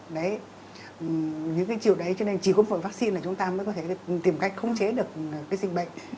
đấy những cái chiều đấy cho nên chỉ có một vaccine là chúng ta mới có thể tìm cách khống chế được cái dịch bệnh